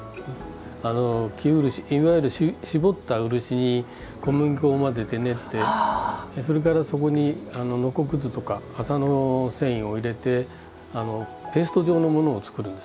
いわゆる搾った漆に小麦粉を混ぜて練ってそれから、そこに、のこくずとか麻の繊維を入れてペースト状のものを作るんです。